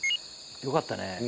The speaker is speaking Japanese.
よかったね